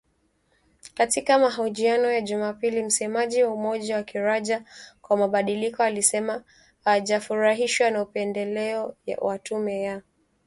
Katika mahojiano ya Jumapili, msemaji wa 'Umoja wa Kiraia kwa Mabadiliko' alisema hawajafurahishwa na upendeleo wa tume ya uchaguzi na polisi